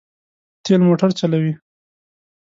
تېل موټر چلوي.